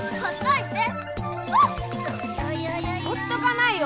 ほっとかないよ！